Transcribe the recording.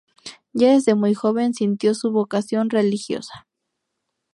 Ya desde muy joven sintió su vocación religiosa.